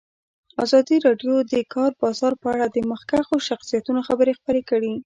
ازادي راډیو د د کار بازار په اړه د مخکښو شخصیتونو خبرې خپرې کړي.